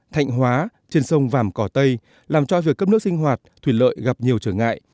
thạnh hóa trên sông vàm cỏ tây làm cho việc cấp nước sinh hoạt thủy lợi gặp nhiều trở ngại